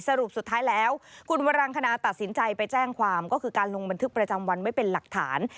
สรุปสุดท้ายแล้วคุณวรังคณาตัดสินใจไปแจ้งความก็คือการลงบันทึกประจำวันไว้เป็นหลักฐาน